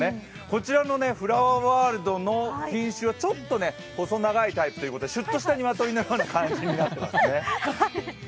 こちらのフラワーワールドの品種は少し細長いものということでしゅっとした鶏のような感じになっていますね。